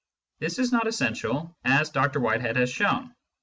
This is not essential, as Dr Whitehead has shown.